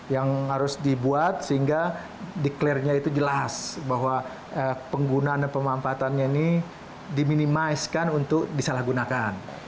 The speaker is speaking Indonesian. yang harus dibuat sehingga declare nya itu jelas bahwa penggunaan dan pemanfaatannya ini diminimizekan untuk disalahgunakan